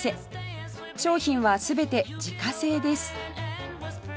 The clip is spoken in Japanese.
商品は全て自家製です